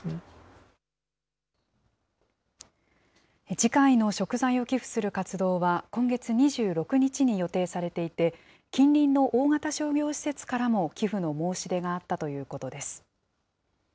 次回の食材を寄付する活動は、今月２６日に予定されていて、近隣の大型商業施設からも寄付の申し出があったということです。